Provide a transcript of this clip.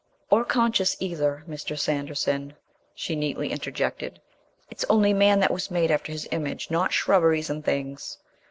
"Or conscious either, Mr. Sanderson," she neatly interjected. "It's only man that was made after His image, not shrubberies and things...."